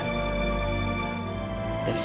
dan semoga saat ini